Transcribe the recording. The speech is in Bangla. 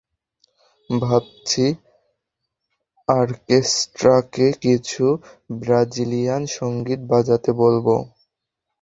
ভাবছি অর্কেস্ট্রাকে কিছু ব্রাজিলিয়ান সঙ্গীত বাজাতে বলব।